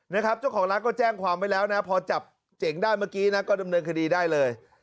นะครับเจ้าของร้านก็แจ้งความไว้แล้วนะพอจับเจ๋งได้เมื่อกี้นะก็ดำเนินคดีได้เลย